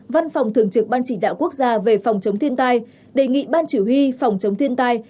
văn phòng thường trực ban chỉ đạo quốc gia về phòng chống thiên tai đề nghị ban chỉ huy phòng chống thiên tai